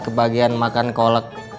kebagian makan kolek